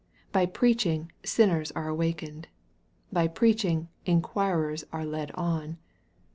By preaching, sinners are awakened. By preaching, inquir ers are led on.